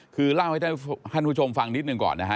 คือเล่าให้ท่านผู้ชมฟังนิดหนึ่งก่อนนะฮะ